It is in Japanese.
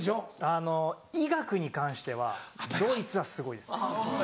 あの医学に関してはドイツはすごいですね。